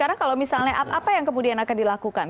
apa yang kemudian akan dilakukan